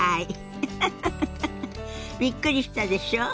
ウフフびっくりしたでしょ。